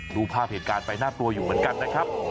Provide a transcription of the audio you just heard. ดูภาพเหตุการณ์ไปน่ากลัวอยู่เหมือนกันนะครับ